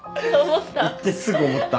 言ってすぐ思った。